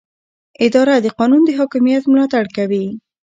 اداره د قانون د حاکمیت ملاتړ کوي.